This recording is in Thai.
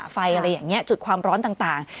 ไฟอะไรอย่างนี้จุดความร้อนต่าง